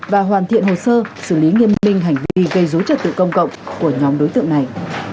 và hoàn thiện hồ sơ xử lý nghiêm minh hành vi gây dối trật tự công cộng của nhóm đối tượng này